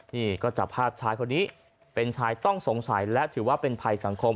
นี่ก็จับภาพชายคนนี้เป็นชายต้องสงสัยและถือว่าเป็นภัยสังคม